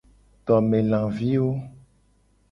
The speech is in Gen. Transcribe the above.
Tome laviwo.